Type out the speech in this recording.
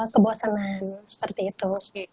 kebosenan seperti itu